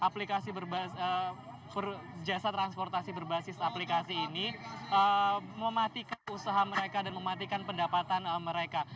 aplikasi jasa transportasi berbasis aplikasi ini mematikan usaha mereka dan mematikan pendapatan mereka